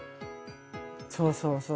そうそうそう。